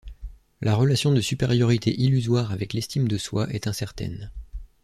La relation de supériorité illusoire avec l'estime de soi est incertaine.